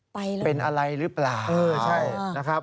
เป็นอะไรหรือเปล่า